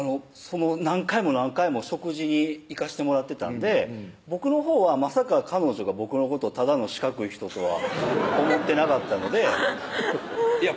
何回も何回も食事に行かしてもらってたんで僕のほうはまさか彼女が僕のことただの四角い人とは思ってなかったのでいや